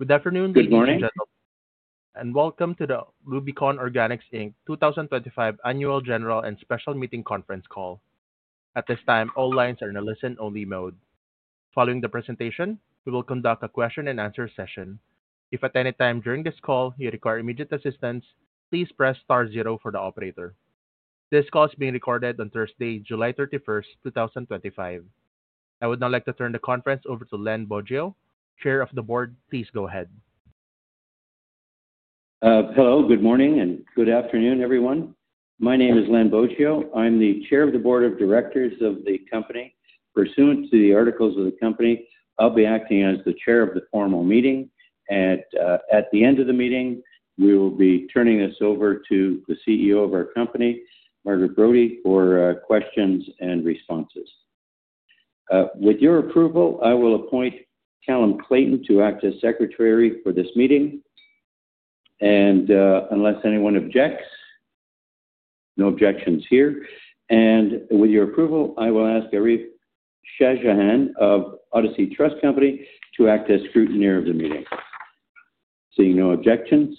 Good afternoon, and welcome to the Rubicon Organics Inc. 2025 Annual General and Special Meeting Conference Call. At this time, all lines are in a listen-only mode. Following the presentation, we will conduct a question-and-answer session. If at any time during this call you require immediate assistance, please press star zero for the operator. This call is being recorded on Thursday, July 31, 2025. I would now like to turn the conference over to Len Boggio, Chair of the Board. Please go ahead. Hello, good morning and good afternoon, everyone. My name is Len Boggio. I'm the Chair of the Board of Directors of the company. Pursuant to the Articles of the Company, I'll be acting as the Chair of the formal meeting, and at the end of the meeting, we will be turning this over to the CEO of our company, Margaret Brodie, for questions and responses. With your approval, I will appoint Calum Clayton to act as Secretary for this meeting. Unless anyone objects, no objections here. With your approval, I will ask Arif Shajahan of Odyssey Trust Company to act as scrutineer of the meeting. Seeing no objections,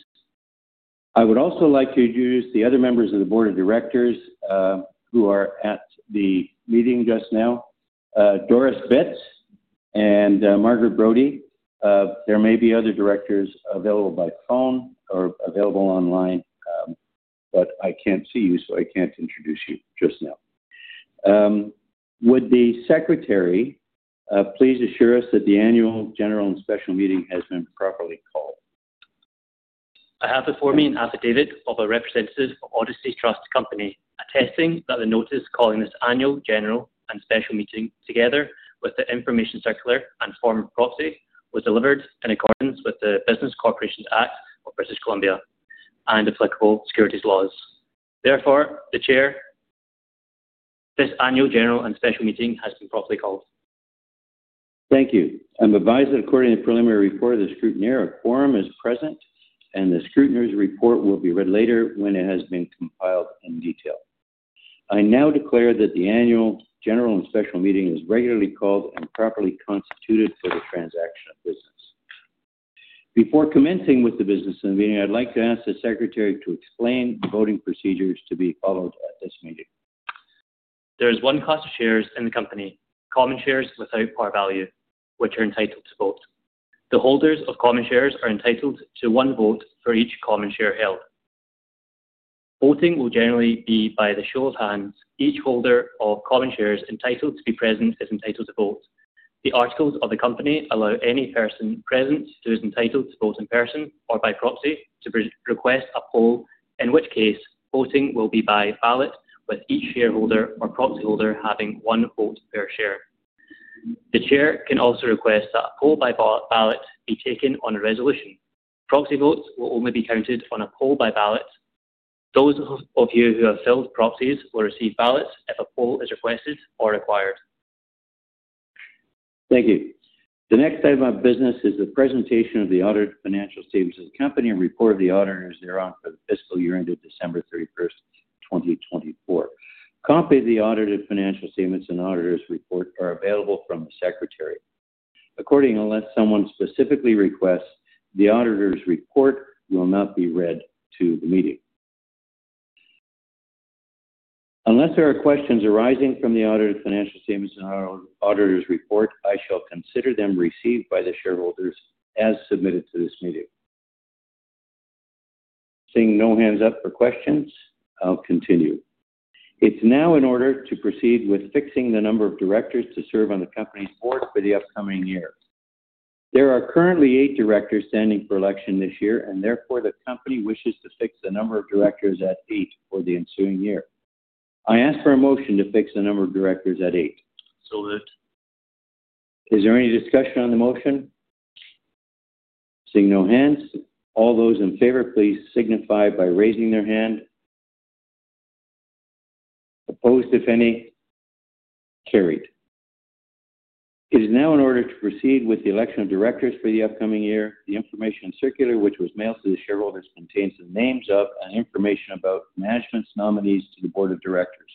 I would also like to introduce the other members of the Board of Directors, who are at the meeting just now. Doris Bitz and Margaret Brodie. There may be other directors available by phone or available online, but I can't see you, so I can't introduce you just now. Would the Secretary please assure us that the annual general and special meeting has been properly called? I have before me an affidavit of a representative of Odyssey Trust Company attesting that the notice calling this Annual General and Special Meeting together with the information circular and form of proxy was delivered in accordance with the Business Corporations Act, British Columbia and applicable securities laws. Therefore, the Chair, this Annual General and Special Meeting has been properly called. Thank you. I'm advised that according to the preliminary report of the scrutineer, a quorum is present, and the scrutineer's report will be read later when it has been compiled in detail. I now declare that the Annual General and Special Meeting is regularly called and properly constituted for the transaction of business. Before commencing with the business of the meeting, I'd like to ask the Secretary to explain the voting procedures to be followed at this meeting. There is one class of shares in the company, common shares without par value, which are entitled to vote. The holders of common shares are entitled to one vote for each common share held. Voting will generally be by the show of hands. Each holder of common shares entitled to be present is entitled to vote. The Articles of the Company allow any person present who is entitled to vote in person or by proxy to request a poll, in which case voting will be by ballot with each shareholder or proxy holder having one vote per share. The Chair can also request that a poll by ballot be taken on a resolution. Proxy votes will only be counted on a poll by ballot. Those of you who have filled proxies will receive ballots if a poll is requested or required. Thank you. The next item of business is the presentation of the Auditor Financial Statements of the Company and report of the auditors thereon for the fiscal year ended December 31, 2024. A copy of the Auditor Financial Statements and Auditor's Report are available from the Secretary. Accordingly, unless someone specifically requests, the Auditor's Report will not be read to the meeting. Unless there are questions arising from the Auditor Financial Statements and Auditor's Report, I shall consider them received by the shareholders as submitted to this meeting. Seeing no hands up for questions, I'll continue. It's now in order to proceed with fixing the number of directors to serve on the Company's Board for the upcoming year. There are currently eight directors standing for election this year, and therefore the Company wishes to fix the number of directors at eight for the ensuing year. I ask for a motion to fix the number of directors at eight. Is there any discussion on the motion? Seeing no hands, all those in favor, please signify by raising their hand. Opposed, if any, carried. It is now in order to proceed with the election of directors for the upcoming year. The information circular, which was mailed to the shareholders, contains the names of and information about management's nominees to the Board of Directors.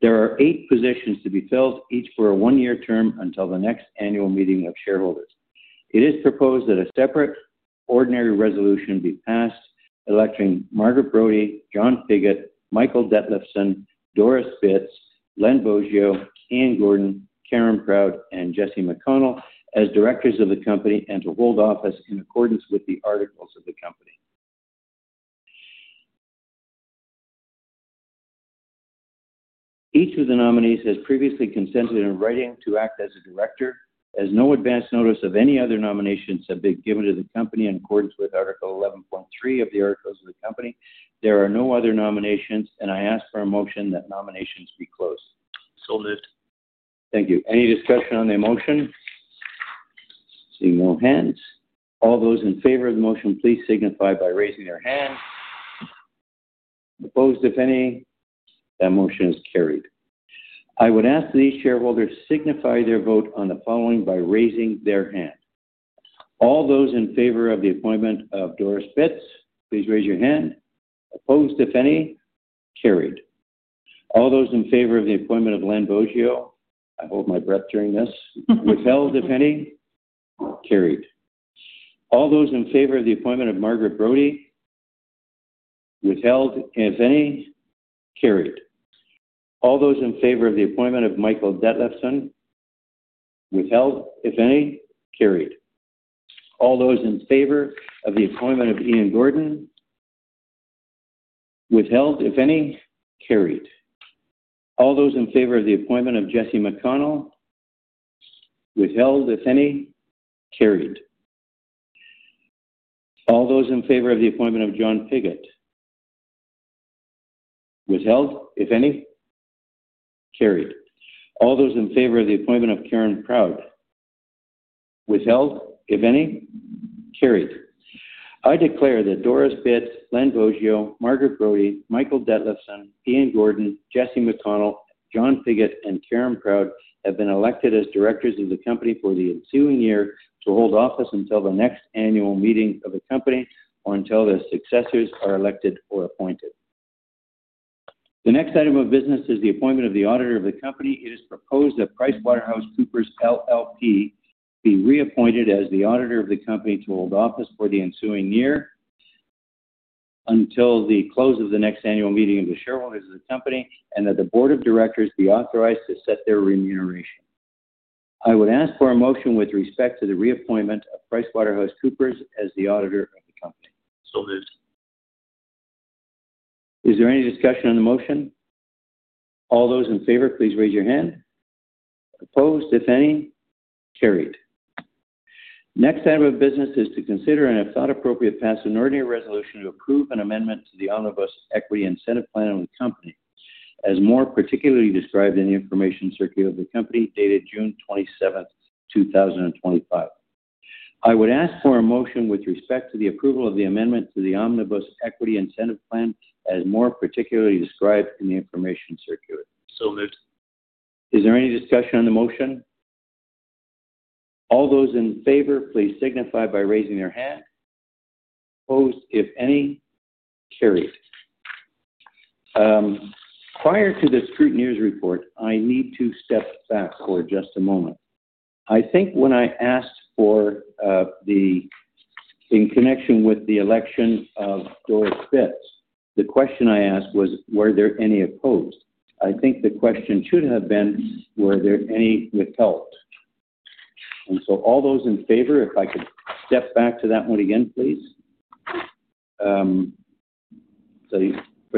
There are eight positions to be filled, each for a one-year term until the next annual meeting of shareholders. It is proposed that a separate ordinary resolution be passed, electing Margaret Brodie, John Pigott, Michael Detlefsen, Doris Bitz, Len Boggio, Ian Gordon, Karen Proud, and Jesse McConnell as directors of the Company and to hold office in accordance with the Articles of the Company. Each of the nominees has previously consented in writing to act as a director. As no advance notice of any other nominations have been given to the Company in accordance with Article 11.3 of the Articles of the Company, there are no other nominations, and I ask for a motion that nominations be closed. Thank you. Any discussion on the motion? Seeing no hands, all those in favor of the motion, please signify by raising their hand. Opposed, if any, that motion is carried. I would ask that these shareholders signify their vote on the following by raising their hand. All those in favor of the appointment of Doris Bitz, please raise your hand. Opposed, if any, carried. All those in favor of the appointment of Len Boggio, I hold my breath during this. Withheld, if any, carried. All those in favor of the appointment of Margaret Brodie, withheld, if any, carried. All those in favor of the appointment of Michael Detlefsen, withheld, if any, carried. All those in favor of the appointment of Ian Gordon, withheld, if any, carried. All those in favor of the appointment of Jesse McConnell, withheld, if any, carried. All those in favor of the appointment of John Pigott, withheld, if any, carried. All those in favor of the appointment of Karen Proud, withheld, if any, carried. I declare that Doris Bitz, Len Boggio, Margaret Brodie, Michael Detlefsen, Ian Gordon, Jesse McConnell, John Pigott, and Karen Proud have been elected as directors of the company for the ensuing year to hold office until the next annual meeting of the company or until their successors are elected or appointed. The next item of business is the appointment of the Auditor of the Company. It is proposed that PricewaterhouseCoopers LLP be reappointed as the Auditor of the Company to hold office for the ensuing year until the close of the next annual meeting of the shareholders of the company and that the Board of Directors be authorized to set their remuneration. I would ask for a motion with respect to the reappointment of PricewaterhouseCoopers as the Auditor of the Company. Is there any discussion on the motion? All those in favor, please raise your hand. Opposed, if any, carried. Next item of business is to consider and if thought appropriate, pass an ordinary resolution to approve an amendment to the Omnibus Equity Incentive Plan of the Company, as more particularly described in the Information Circular of the Company dated June 27, 2025. I would ask for a motion with respect to the approval of the amendment to the Omnibus Equity Incentive Plan, as more particularly described in the Information Circular. Is there any discussion on the motion? All those in favor, please signify by raising their hand. Opposed, if any, carried. Prior to the scrutineer's report, I need to step back for just a moment. I think when I asked for, in connection with the election of Doris Bitz, the question I asked was, were there any opposed? I think the question should have been, were there any withheld? And so all those in favor, if I could step back to that one again, please. For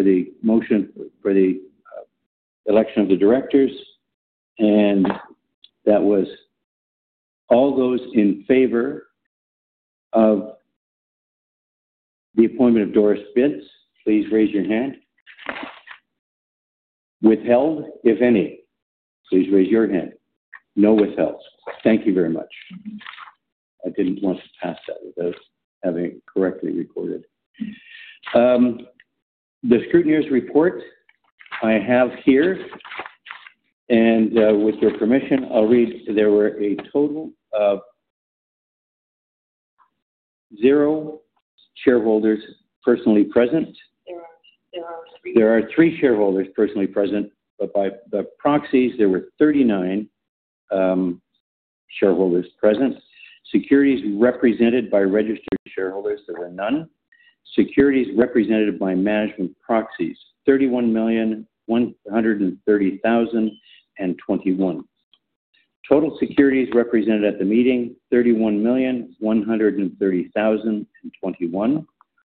the motion for the election of the directors, all those in favor of the appointment of Doris Bitz, please raise your hand. Withheld, if any, please raise your hand. No withhelds. Thank you very much. I didn't want to pass that. It does have a correctly recorded. The scrutineer's report I have here, and with your permission, I'll read. There were a total of zero shareholders personally present. There are three shareholders personally present, but by the proxies, there were 39 shareholders present. Securities represented by registered shareholders, there were none. Securities represented by management proxies, 31,130,021. Total securities represented at the meeting, 31,130,021,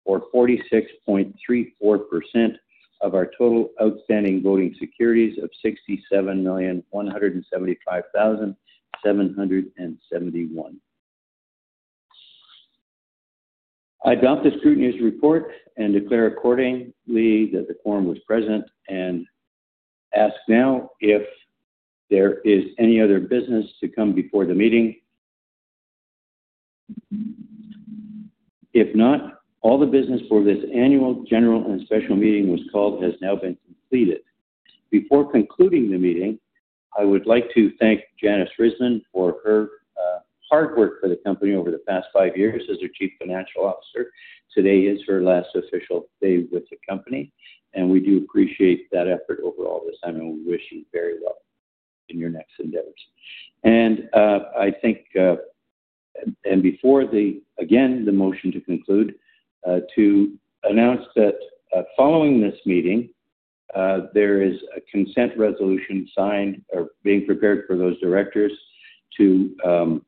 or 46.34% of our total outstanding voting securities of 67,175,771. I adopt the scrutineer's report and declare accordingly that the quorum was present and ask now if there is any other business to come before the meeting. If not, all the business for this annual general and special meeting was called has now been completed. Before concluding the meeting, I would like to thank Janis Risbin for her hard work for the company over the past five years as her Chief Financial Officer. Today is her last official day with the company, and we do appreciate that effort overall this time, and we wish you very well in your next endeavors. Before the motion to conclude, to announce that following this meeting, there is a consent resolution signed or being prepared for those directors to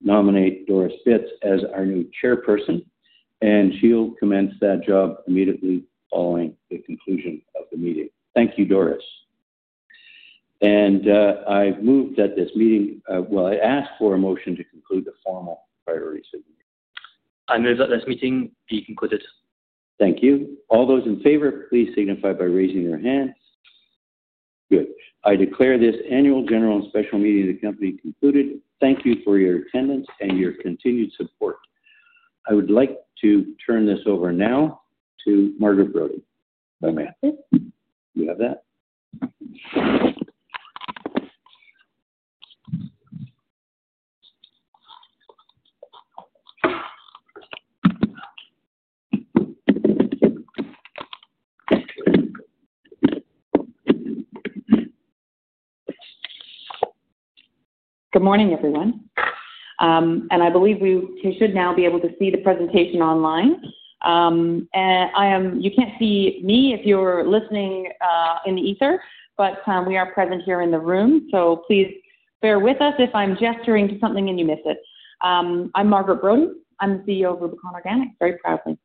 nominate Doris Bitz as our new Chairperson, and she'll commence that job immediately following the conclusion of the meeting. Thank you, Doris. I ask for a motion to conclude the formal priorities of the meeting. I move that this meeting be concluded. Thank you. All those in favor, please signify by raising your hand. Good. I declare this Annual General and Special Meeting of the company concluded. Thank you for your attendance and your continued support. I would like to turn this over now to Margaret Brodie. Bye, ma'am. You have that. Good morning, everyone. I believe we should now be able to see the presentation online. You can't see me if you're listening in the ether, but we are present here in the room. Please bear with us if I'm gesturing to something and you miss it. I'm Margaret Brodie. I'm the CEO of Rubicon Organics, very proudly.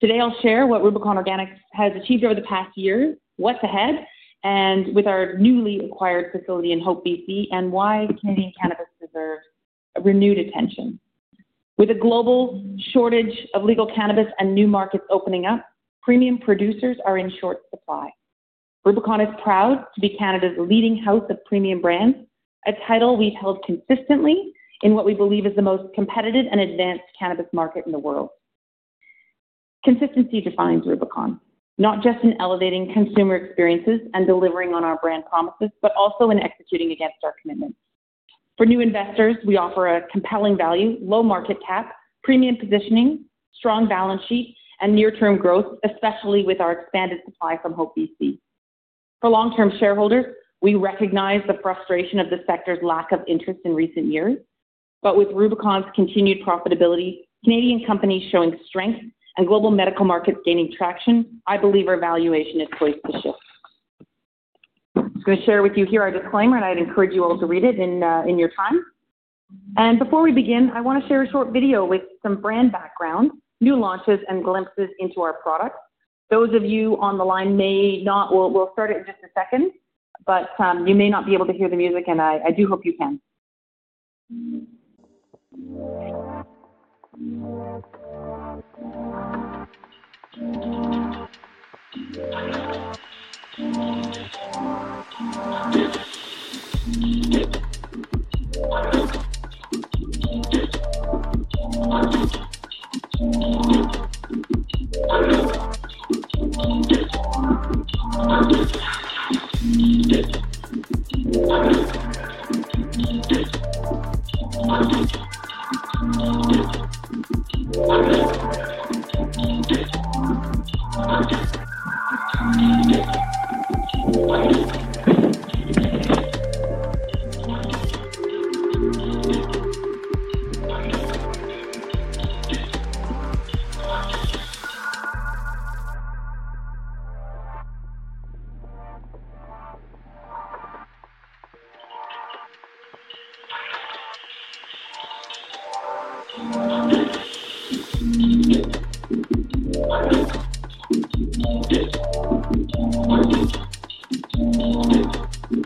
Today, I'll share what Rubicon Organics has achieved over the past year, what's ahead, with our newly acquired facility in Hope, BC, and why Canadian cannabis deserves renewed attention. With a global shortage of legal cannabis and new markets opening up, premium producers are in short supply. Rubicon is proud to be Canada's leading house of premium brands, a title we've held consistently in what we believe is the most competitive and advanced cannabis market in the world. Consistency defines Rubicon, not just in elevating consumer experiences and delivering on our brand promises, but also in executing against our commitments. For new investors, we offer a compelling value, low market cap, premium positioning, strong balance sheet, and near-term growth, especially with our expanded supply from Hope, BC. For long-term shareholders, we recognize the frustration of the sector's lack of interest in recent years. With Rubicon's continued profitability, Canadian companies showing strength, and global medical markets gaining traction, I believe our valuation is poised to shift. I'm going to share with you here our disclaimer, and I'd encourage you all to read it in your time. Before we begin, I want to share a short video with some brand background, new launches, and glimpses into our product. Those of you on the line may not, we'll start it in just a second, but you may not be able to hear the music, and I do hope you can. Our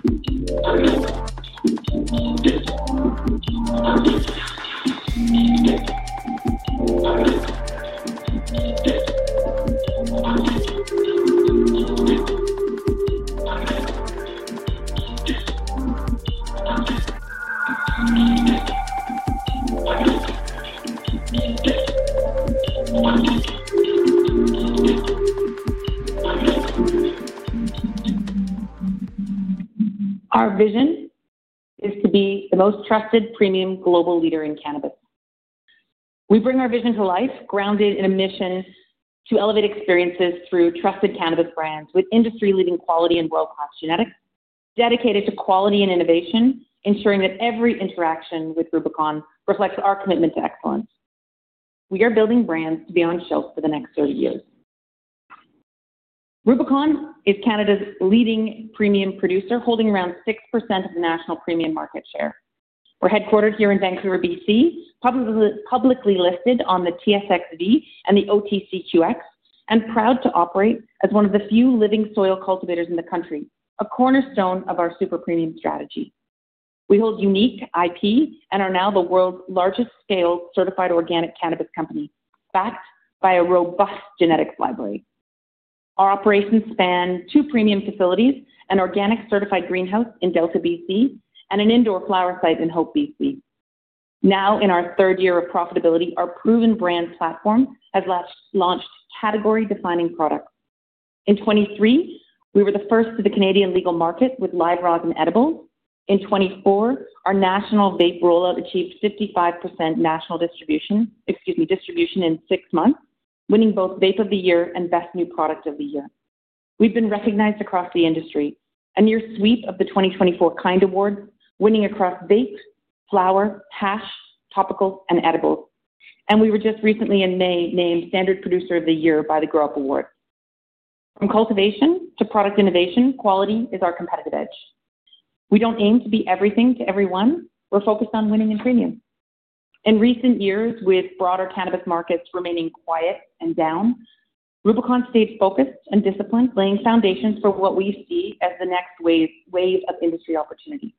vision is to be the most trusted premium global leader in cannabis. We bring our vision to life, grounded in a mission to elevate experiences through trusted cannabis brands with industry-leading quality and world-class genetics, dedicated to quality and innovation, ensuring that every interaction with Rubicon reflects our commitment to excellence. We are building brands beyond shelf for the next 30 years. Rubicon is Canada's leading premium producer, holding around 6% of the national premium market share. We're headquartered here in Vancouver, BC, publicly listed on the TSXV and the OTCQX, and proud to operate as one of the few living soil cultivators in the country, a cornerstone of our super premium strategy. We hold unique IP and are now the world's largest scale certified organic cannabis company, backed by a robust genetics library. Our operations span two premium facilities, an organic certified greenhouse in Delta, BC, and an indoor flower site in Hope, BC. Now, in our third year of profitability, our proven brands platform has launched category-defining products. In 2023, we were the first to the Canadian legal market with Live Rag and Edibles. In 2024, our national vape rollout achieved 55% national distribution in six months, winning both Vape of the Year and Best New Product of the Year. We've been recognized across the industry, a near sweep of the 2024 Kind Award, winning across vape, flower, hash, topical, and edibles. We were just recently in May named Standard Producer of the Year by the Grow Up Award. From cultivation to product innovation, quality is our competitive edge. We don't aim to be everything to everyone. We're focused on winning and premium. In recent years, with broader cannabis markets remaining quiet and down, Rubicon stays focused and disciplined, laying foundations for what we see as the next wave of industry opportunity.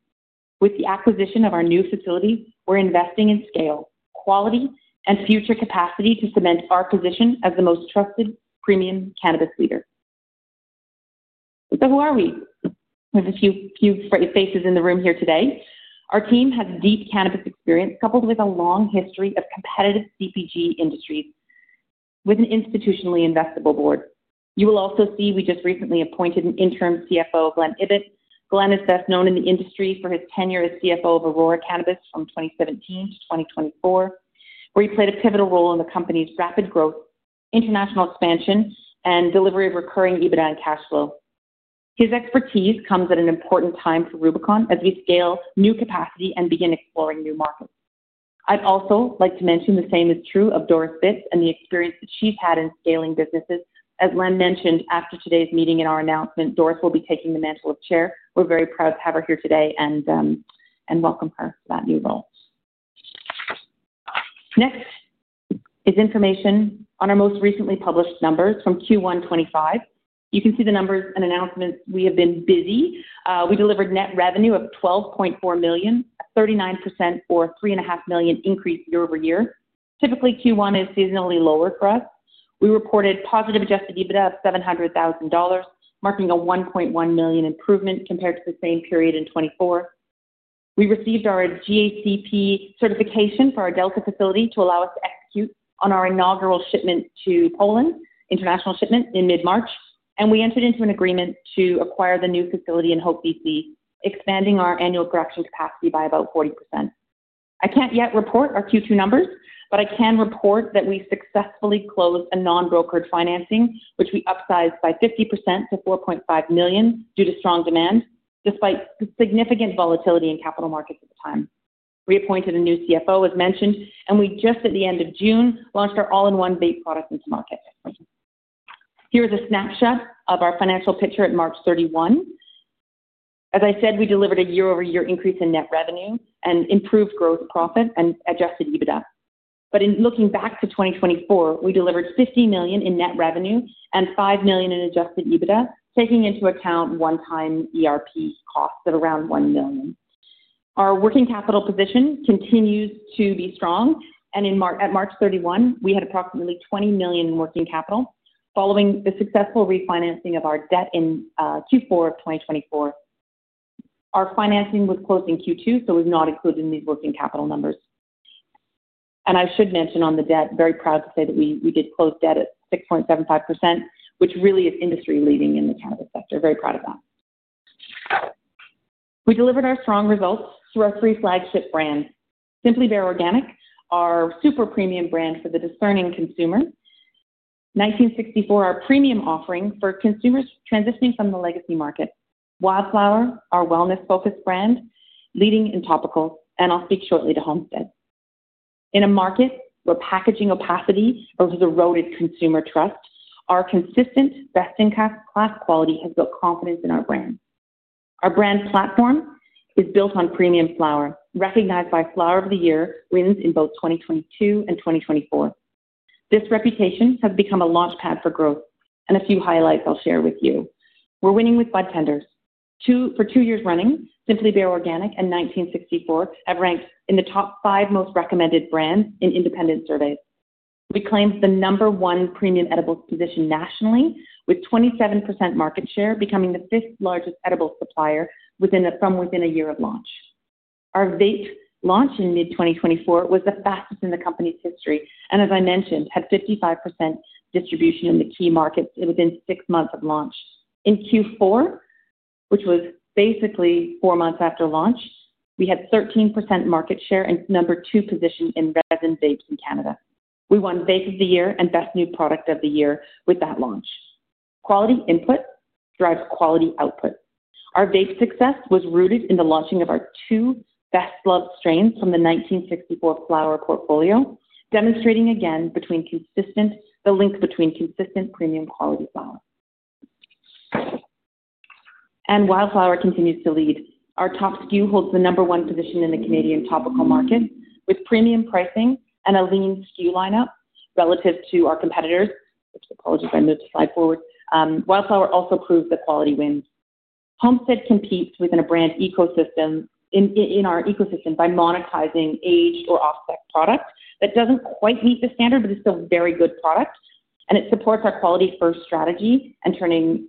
With the acquisition of our new facility, we're investing in scale, quality, and future capacity to cement our position as the most trusted premium cannabis leader. Who are we? We have a few faces in the room here today. Our team has deep cannabis experience coupled with a long history of competitive CPG industries with an institutionally investable board. You will also see we just recently appointed an Interim CFO, Glen Ibbott. Glen is best known in the industry for his tenure as CFO of Aurora Cannabis from 2017 to 2024, where he played a pivotal role in the company's rapid growth, international expansion, and delivery of recurring EBITDA and cash flow. His expertise comes at an important time for Rubicon as we scale new capacity and begin exploring new markets. I'd also like to mention the same is true of Doris Bitz and the experience that she's had in scaling businesses. As Len mentioned, after today's meeting and our announcement, Doris will be taking the mantle of Chair. We're very proud to have her here today and welcome her to that new role. Next is information on our most recently published numbers from Q1 2025. You can see the numbers and announcements. We have been busy. We delivered net revenue of $12.4 million, a 39% or $3.5 million increase year over year. Typically, Q1 is seasonally lower for us. We reported positive adjusted EBITDA of $700,000, marking a $1.1 million improvement compared to the same period in 2024. We received our GACP certification for our Delta facility to allow us to execute on our inaugural shipment to Poland, international shipment in mid-March, and we entered into an agreement to acquire the new facility in Hope, BC, expanding our annual production capacity by about 40%. I can't yet report our Q2 numbers, but I can report that we successfully closed a non-brokered financing, which we upsized by 50% to $4.5 million due to strong demand, despite significant volatility in capital markets at the time. We appointed a new CFO, as mentioned, and we just at the end of June launched our all-in-one vape product into market. Here is a snapshot of our financial picture at March 31. As I said, we delivered a year-over-year increase in net revenue and improved gross profit and adjusted EBITDA. In looking back to 2024, we delivered $50 million in net revenue and $5 million in adjusted EBITDA, taking into account one-time ERP costs of around $1 million. Our working capital position continues to be strong, and at March 31, we had approximately $20 million in working capital following the successful refinancing of our debt in Q4 of 2024. Our financing would close in Q2, so we've not included in these working capital numbers. I should mention on the debt, very proud to say that we did close debt at 6.75%, which really is industry-leading in the cannabis sector. Very proud of that. We delivered our strong results through our three flagship brands: Simply Bare Organic, our super premium brand for the discerning consumer; 1964, our premium offering for consumers transitioning from the legacy market; Wildflower, our wellness-focused brand, leading in topical; and I'll speak shortly to Homestead. In a market where packaging opacity has eroded consumer trust, our consistent best-in-class quality has built confidence in our brand. Our brand platform is built on premium flower, recognized by Flower of the Year wins in both 2022 and 2024. This reputation has become a launchpad for growth and a few highlights I'll share with you. We're winning with budtenders. For two years running, Simply Bare Organic and 1964 have ranked in the top five most recommended brands in independent surveys. We claimed the number one premium edibles position nationally, with 27% market share, becoming the fifth largest edible supplier from within a year of launch. Our vape launch in mid-2024 was the fastest in the company's history, and as I mentioned, had 55% distribution in the key markets within six months of launch. In Q4, which was basically four months after launch, we had 13% market share and number two position in resin vapes in Canada. We won Vape of the Year and Best New Product of the Year with that launch. Quality input drives quality output. Our vape success was rooted in the launching of our two best-loved strains from the 1964 flower portfolio, demonstrating again the link between consistent premium quality flower. Wildflower continues to lead. Our top SKU holds the number one position in the Canadian topical market, with premium pricing and a lean SKU lineup relative to our competitors. Apologies, I moved the slide forward. Wildflower also proves that quality wins. Homestead competes within a brand ecosystem in our ecosystem by monetizing aged or off-spec products that don't quite meet the standard, but are still a very good product. It supports our quality-first strategy and turns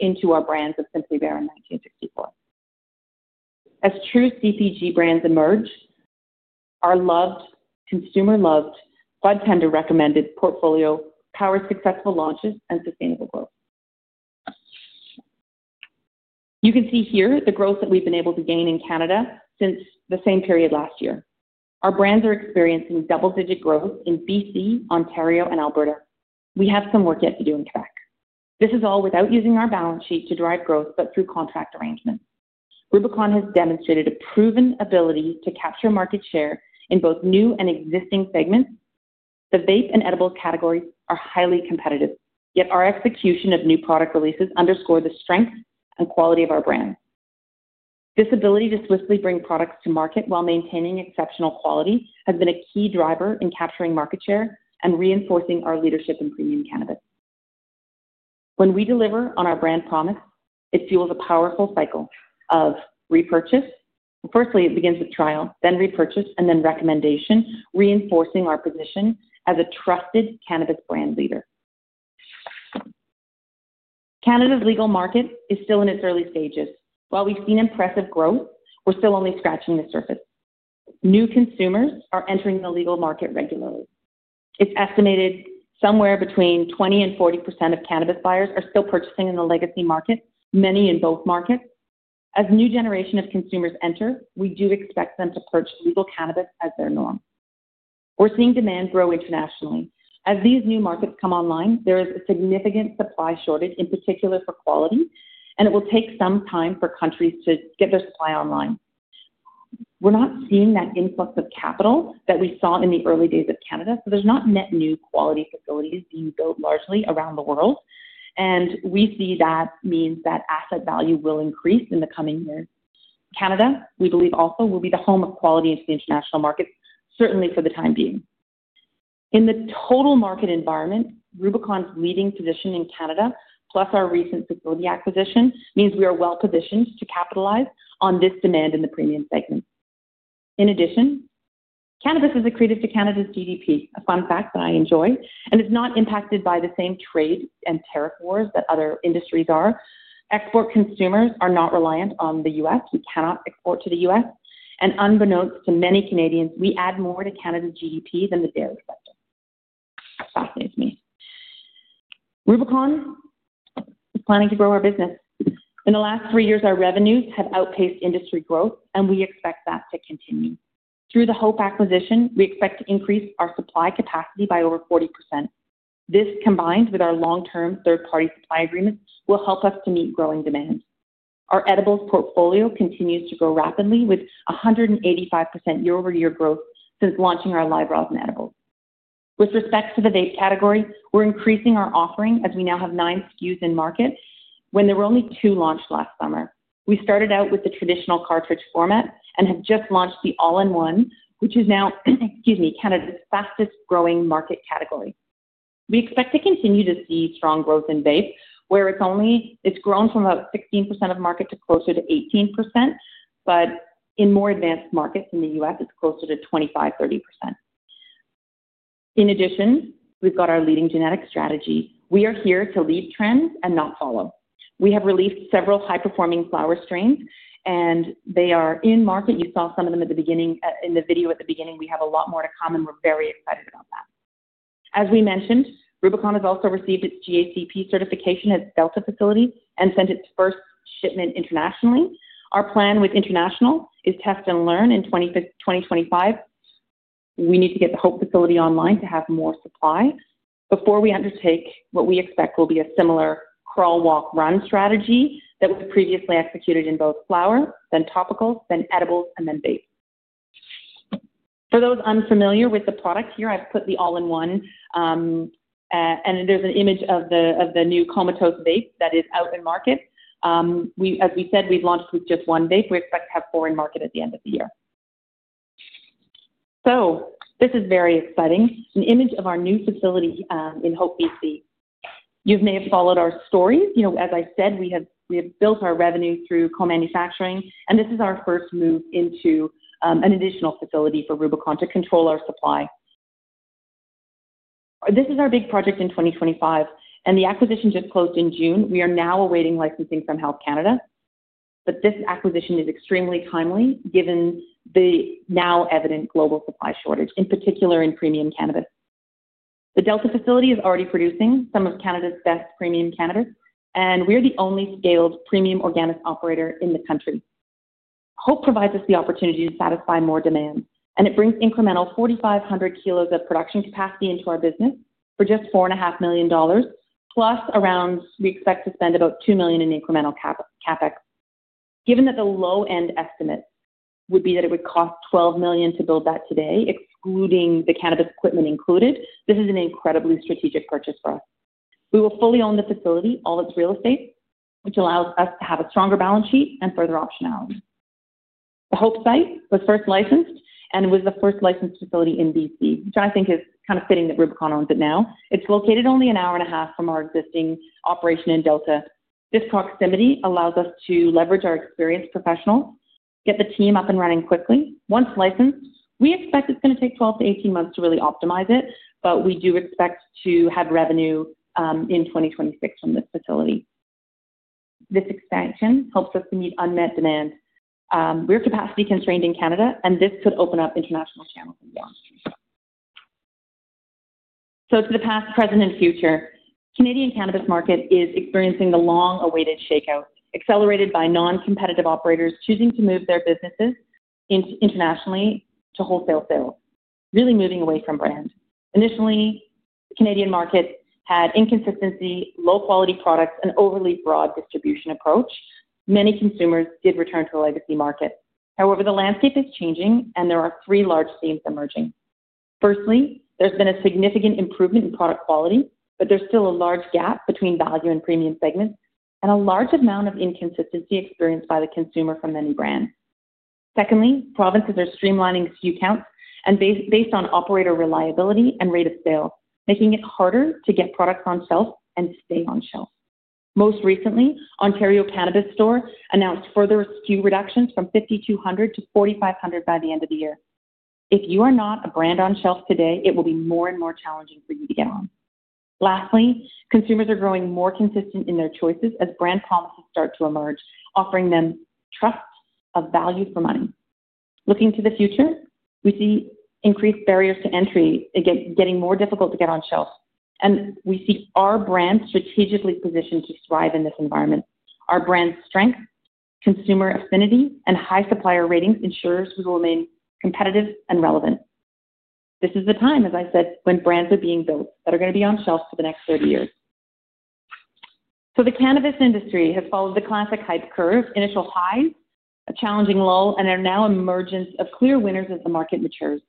into our brands of Simply Bare and 1964. As true CPG brands emerge, our consumer-loved, budtender-recommended portfolio powers successful launches and sustainable growth. You can see here the growth that we've been able to gain in Canada since the same period last year. Our brands are experiencing double-digit growth in BC, Ontario, and Alberta. We have some work yet to do in Quebec. This is all without using our balance sheet to drive growth, but through contract arrangements. Rubicon has demonstrated a proven ability to capture market share in both new and existing segments. The vape and edible categories are highly competitive, yet our execution of new product releases underscores the strength and quality of our brand. This ability to swiftly bring products to market while maintaining exceptional quality has been a key driver in capturing market share and reinforcing our leadership in premium cannabis. When we deliver on our brand promise, it fuels a powerful cycle of repurchase. Firstly, it begins with trial, then repurchase, and then recommendation, reinforcing our position as a trusted cannabis brand leader. Canada's legal market is still in its early stages. While we've seen impressive growth, we're still only scratching the surface. New consumers are entering the legal market regularly. It's estimated somewhere between 20% and 40% of cannabis buyers are still purchasing in the legacy market, many in both markets. As a new generation of consumers enter, we do expect them to purchase legal cannabis as their norm. We're seeing demand grow internationally. As these new markets come online, there is a significant supply shortage, in particular for quality, and it will take some time for countries to get their supply online. We're not seeing that influx of capital that we saw in the early days of Canada, so there's not net new quality facilities being built largely around the world, and we see that means that asset value will increase in the coming years. Canada, we believe, also will be the home of quality into the international markets, certainly for the time being. In the total market environment, Rubicon's leading position in Canada, plus our recent facility acquisition, means we are well positioned to capitalize on this demand in the premium segment. In addition, cannabis is accreted to Canada's GDP, a fun fact that I enjoy, and is not impacted by the same trade and tariff wars that other industries are. Export consumers are not reliant on the U.S. We cannot export to the U.S., and unbeknownst to many Canadians, we add more to Canada's GDP than the daily spend. That's me. Rubicon is planning to grow our business. In the last three years, our revenues have outpaced industry growth, and we expect that to continue. Through the Hope acquisition, we expect to increase our supply capacity by over 40%. This, combined with our long-term third-party supply agreements, will help us to meet growing demand. Our edibles portfolio continues to grow rapidly with 185% year-over-year growth since launching our live raw and edibles. With respect to the vape category, we're increasing our offering as we now have nine SKUs in market when there were only two launched last summer. We started out with the traditional cartridge format and have just launched the all-in-one, which is now Canada's fastest growing market category. We expect to continue to see strong growth in vapes, where it's grown from about 16% of market to closer to 18%, but in more advanced markets in the U.S., it's closer to 25%, 30%. In addition, we've got our leading genetic strategy. We are here to lead trends and not follow. We have released several high-performing flower strains, and they are in market. You saw some of them in the video at the beginning. We have a lot more to come, and we're very excited about that. As we mentioned, Rubicon has also received its GACP certification at the Delta facility and sent its first shipment internationally. Our plan with international is test and learn in 2025. We need to get the Hope facility online to have more supply before we undertake what we expect will be a similar crawl, walk, run strategy that was previously executed in both flower, then topical, then edibles, and then vape. For those unfamiliar with the product, here I've put the all-in-one, and there's an image of the new Comatose vape that is out in market. As we said, we've launched with just one vape. We expect to have four in market at the end of the year. This is very exciting. An image of our new facility in Hope, BC. You may have followed our stories. You know, as I said, we have built our revenue through co-manufacturing, and this is our first move into an additional facility for Rubicon Organics to control our supply. This is our big project in 2025, and the acquisition just closed in June. We are now awaiting licensing from Health Canada, but this acquisition is extremely timely given the now evident global supply shortage, in particular in premium cannabis. The Delta facility is already producing some of Canada's best premium cannabis, and we're the only scaled premium organic operator in the country. Hope provides us the opportunity to satisfy more demand, and it brings incremental 4,500 kg of production capacity into our business for just $4.5 million, plus around we expect to spend about $2 million in incremental CapEx. Given that the low-end estimate would be that it would cost $12 million to build that today, excluding the cannabis equipment included, this is an incredibly strategic purchase for us. We will fully own the facility, all its real estate, which allows us to have a stronger balance sheet and further optionality. The Hope site was first licensed and was the first licensed facility in BC, which I think is kind of fitting that Rubicon owns it now. It's located only an hour and a half from our existing operation in Delta. This proximity allows us to leverage our experienced professionals, get the team up and running quickly. Once licensed, we expect it's going to take 12 months-18 months to really optimize it, but we do expect to have revenue in 2026 from this facility. This expansion helps us to meet unmet demand. We're capacity constrained in Canada, and this could open up international channels in the industry. To the past, present, and future, the Canadian cannabis market is experiencing the long-awaited shakeout, accelerated by non-competitive operators choosing to move their businesses internationally to wholesale sales, really moving away from brand. Initially, the Canadian market had inconsistency, low-quality products, and an overly broad distribution approach. Many consumers did return to the legacy market. However, the landscape is changing, and there are three large themes emerging. Firstly, there's been a significant improvement in product quality, but there's still a large gap between value and premium segments and a large amount of inconsistency experienced by the consumer from many brands. Secondly, provinces are streamlining SKU counts and based on operator reliability and rate of sale, making it harder to get products on shelf and stay on shelf. Most recently, Ontario Cannabis Store announced further SKU reductions from 5,200 to 4,500 by the end of the year. If you are not a brand on shelf today, it will be more and more challenging for you to get on. Lastly, consumers are growing more consistent in their choices as brand promises start to emerge, offering them trust of value for money. Looking to the future, we see increased barriers to entry getting more difficult to get on shelf, and we see our brand strategically positioned to thrive in this environment. Our brand's strength, consumer affinity, and high supplier ratings ensure we will remain competitive and relevant. This is the time, as I said, when brands are being built that are going to be on shelves for the next 30 years. The cannabis industry has followed the classic hype curve: initial highs, a challenging lull, and now an emergence of clear winners as the market matures.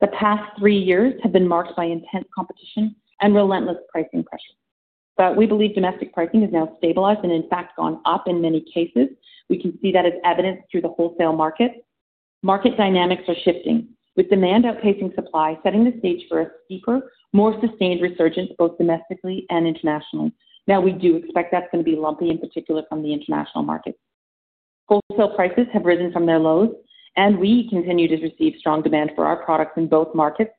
The past three years have been marked by intense competition and relentless pricing pressures, but we believe domestic pricing has now stabilized and in fact gone up in many cases. We can see that as evidenced through the wholesale market. Market dynamics are shifting, with demand outpacing supply, setting the stage for a deeper, more sustained resurgence both domestically and internationally. We do expect that's going to be lumpy, in particular from the international market. Wholesale prices have risen from their lows, and we continue to receive strong demand for our products in both markets.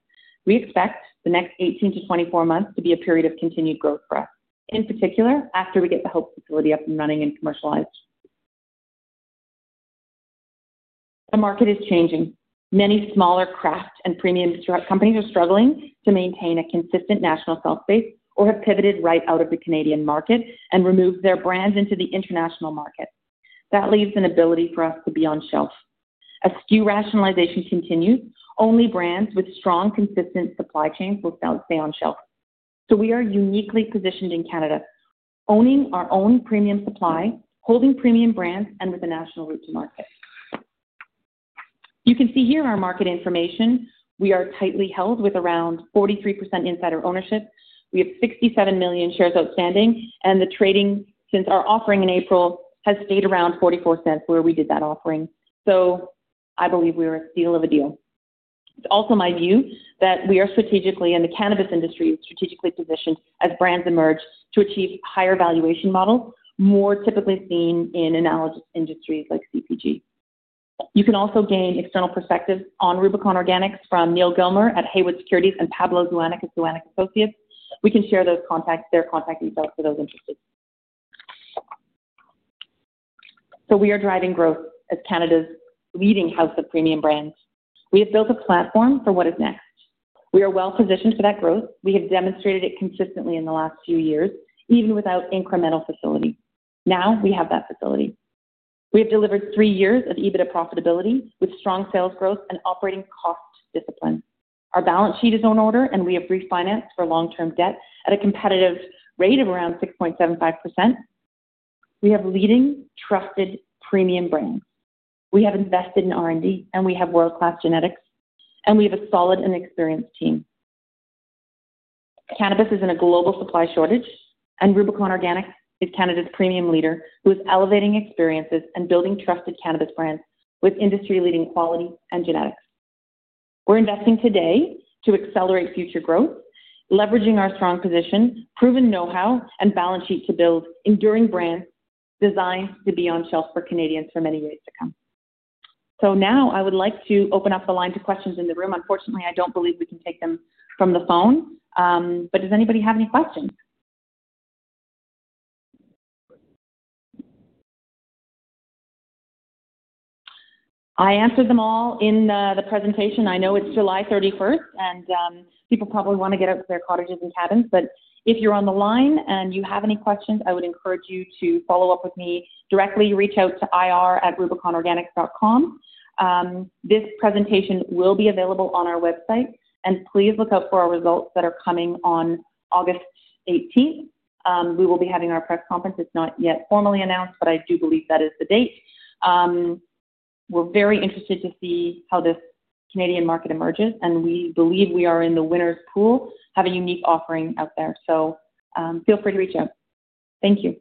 We expect the next 18 months-24 months to be a period of continued growth for us, in particular after we get the Hope, BC facility up and running and commercialized. The market is changing. Many smaller craft and premium companies are struggling to maintain a consistent national sales space or have pivoted right out of the Canadian market and removed their brands into the international market. That leaves an ability for us to be on shelf. As SKU rationalization continues, only brands with strong, consistent supply chains will stay on shelf. We are uniquely positioned in Canada, owning our own premium supply, holding premium brands, and with a national route to market. You can see here our market information. We are tightly held with around 43% insider ownership. We have 67 million shares outstanding, and the trading since our offering in April has stayed around $0.44 where we did that offering. I believe we are a seal of a deal. It's also my view that we are strategically, and the cannabis industry is strategically positioned as brands emerge to achieve higher valuation models, more typically seen in analogous industries like CPG. You can also gain external perspectives on Rubicon Organics from Neal Gilmer at Haywood Securities and Pablo Zuanic at Zuanic Associates. We can share their contact details for those interested. We are driving growth as Canada's leading house of premium brands. We have built a platform for what is next. We are well positioned for that growth. We have demonstrated it consistently in the last few years, even without incremental facility. Now we have that facility. We have delivered three years of EBITDA profitability with strong sales growth and operating cost discipline. Our balance sheet is in order, and we have refinanced for long-term debt at a competitive rate of around 6.75%. We have leading trusted premium brands. We have invested in R&D, and we have world-class genetics, and we have a solid and experienced team. Cannabis is in a global supply shortage, and Rubicon Organics is Canada's premium leader who is elevating experiences and building trusted cannabis brands with industry-leading quality and genetics. We're investing today to accelerate future growth, leveraging our strong position, proven know-how, and balance sheet to build enduring brands designed to be on shelf for Canadians for many years. I would like to open up the line to questions in the room. Unfortunately, I don't believe we can take them from the phone, but does anybody have any questions? I answered them all in the presentation. I know it's July 31, and people probably want to get out to their cottages and cabins, but if you're on the line and you have any questions, I would encourage you to follow up with me directly. Reach out to IR at rubiconorganics.com. This presentation will be available on our website, and please look out for our results that are coming on August 18. We will be having our press conference. It's not yet formally announced, but I do believe that is the date. We're very interested to see how this Canadian market emerges, and we believe we are in the winner's pool, have a unique offering out there. Feel free to reach out. Thank you.